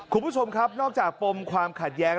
คุณผู้ชมครับนอกจากปมความขัดแย้ง